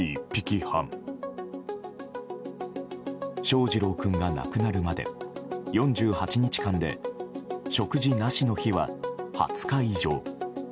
翔士郎君が亡くなるまで４８日間で食事なしの日は２０日以上。